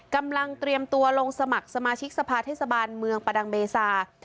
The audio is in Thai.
กำลังเตรียมตัวลงสมัครสมาชิกสภาเทศบาลเมืองประดังเบซา